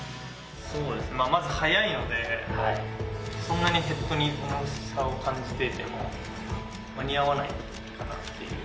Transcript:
まず速いので、そんなにヘッドに重さを感じていても間に合わないかなっていう。